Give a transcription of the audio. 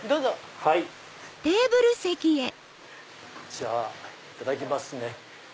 じゃあいただきますね。